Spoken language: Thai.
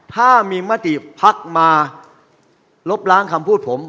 ถ้ามีมติพักมาลบล้างคำพูดผม